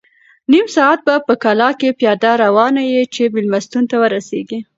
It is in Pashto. نیم ساعت به په کلا کې پیاده روان یې چې مېلمستون ته ورسېږې.